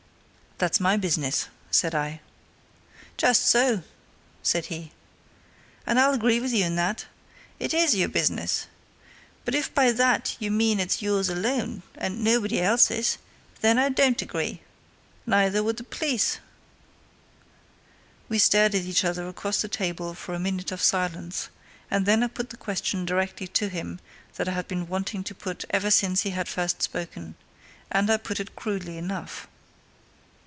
"That's my business!" said I "Just so," said he. "And I'll agree with you in that. It is your business. But if by that you mean that it's yours alone, and nobody else's, then I don't agree. Neither would the police." We stared at each other across the table for a minute of silence, and then I put the question directly to him that I had been wanting to put ever since he had first spoken. And I put it crudely enough.